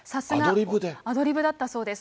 アドリブだったそうです。